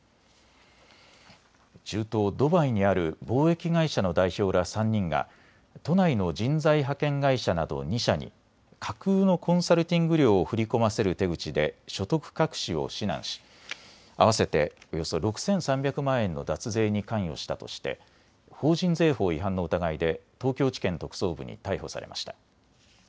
中東・ドバイにある貿易会社の代表ら３人が都内の人材派遣会社など２社に架空のコンサルティング料を振り込ませる手口で所得隠しを指南し合わせておよそ６３００万円の脱税に関与したとして法人税法違反の疑いで東京地検特捜部に逮捕されました。